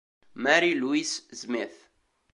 Mary Louise Smith